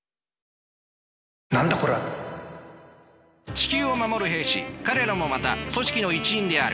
地球を守る兵士彼らもまた組織の一員である。